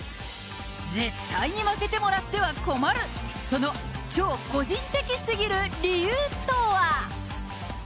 絶対に負けてもらっては困る、その超個人的すぎる理由とは。